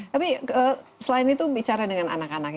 tapi selain itu bicara dengan anak anak ya